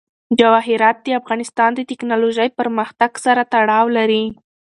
جواهرات د افغانستان د تکنالوژۍ پرمختګ سره تړاو لري.